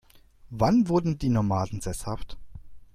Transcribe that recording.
Wann wurden die Nomaden sesshaft?